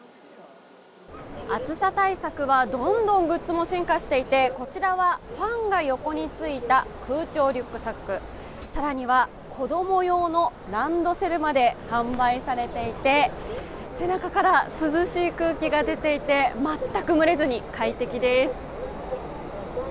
暑さ対策は、どんどんグッズも進化していて、こちらはファンが横についた空調リュックサック、更には子供用のランドセルまで販売されていて、背中から涼しい空気が出ていて、全く蒸れずに快適です。